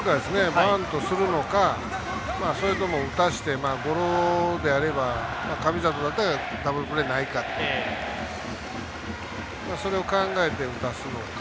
バントするのかそれとも打たせてゴロであれば、神里であればダブルプレーはないかとそれを考えて打たすのか